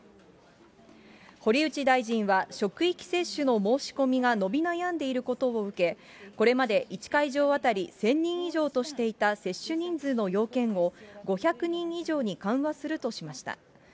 堀内大臣は、職域接種の申し込みが伸び悩んでいることを受け、これまで１会場当たり１０００人以上としていた接種人数の要件を、５００人以上に緩和するとしました。